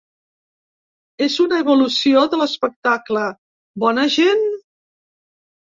És una evolució de l’espectacle Bona gent?